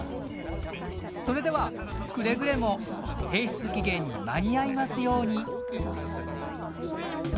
それではくれぐれも提出期限に間に合いますように。